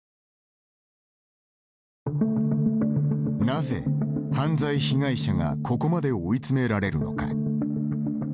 なぜ、犯罪被害者がここまで追い詰められるのか。